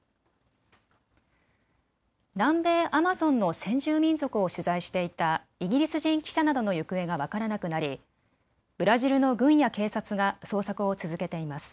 南米・アマゾンの先住民族を取材していたイギリス人記者などの行方が分からなくなりブラジルの軍や警察が捜索を続けています。